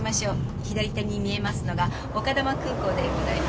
左手に見えますのが丘珠空港でございます。